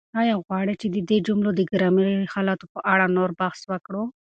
آیا غواړئ چې د دې جملو د ګرامري حالتونو په اړه نور بحث وکړو؟